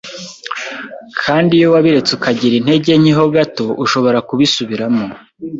Kandi iyo wabiretse ukagira integenke ho gato ushobora kubisubiramo